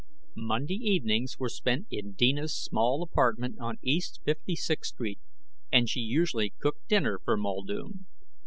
Monday evenings were spent in Deena's small apartment on East Fifty Sixth Street, and she usually cooked dinner for Muldoon.